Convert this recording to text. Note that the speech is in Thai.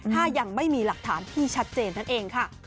ถ้ายังไม่มีหลักฐานที่ชัดเจนนั่นเองค่ะ